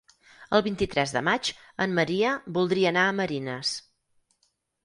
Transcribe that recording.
El vint-i-tres de maig en Maria voldria anar a Marines.